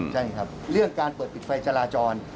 ใช่ครับเรื่องการเปิดปิดไฟจราจร